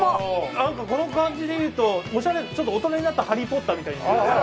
なんかこの感じでいうとオシャレちょっと大人になったハリー・ポッターみたいに見えます。